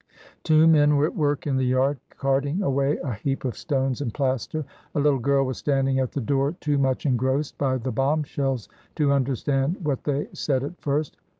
Two men were at work in the yard carting away a heap of stones and plaster. A little girl was standing at the door, too much engrossed by the bombshells to understand what they said at first.